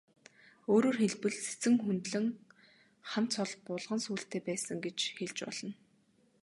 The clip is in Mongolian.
Өөрөөр хэлбэл, Сэцэн хүндлэн хан цол булган сүүлтэй байсан гэж хэлж болно.